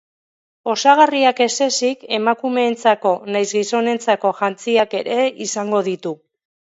Osagarriak ez ezik, emakumeentzako nahiz gizonentzako jantziak ere izango ditu.